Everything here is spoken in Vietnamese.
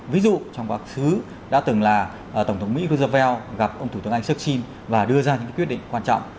ví dụ trong các xứ đã từng là tổng thống mỹ roosevelt gặp ông thủ tướng anh churchill và đưa ra những quyết định quan trọng